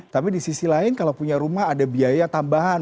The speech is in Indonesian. tapi di sisi lain kalau punya rumah ada biaya tambahan